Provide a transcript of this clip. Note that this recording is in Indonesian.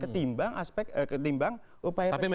ketimbang aspek ketimbang upaya penyelenggaraan